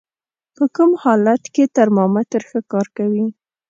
په کوم حالت کې ترمامتر ښه کار کوي؟